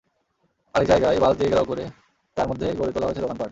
আরেক জায়গায় বাঁশ দিয়ে ঘেরাও করে তার মধ্যে গড়ে তোলা হয়েছে দোকানপাট।